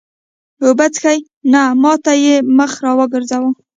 اوبه څښې؟ نه، ما ته یې مخ را وګرځاوه.